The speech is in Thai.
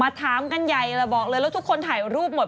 ถามกันใหญ่แล้วบอกเลยแล้วทุกคนถ่ายรูปหมด